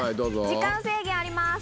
時間制限あります。